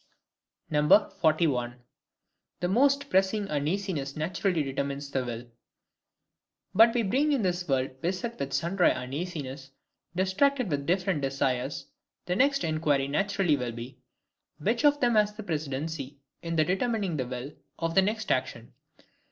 41. The most pressing Uneasiness naturally determines the Will. But we being in this world beset with sundry uneasinesses, distracted with different desires, the next inquiry naturally will be,—Which of them has the precedency in determining the will to the next action?